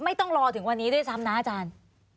ต้องรอถึงวันนี้ด้วยซ้ำนะอาจารย์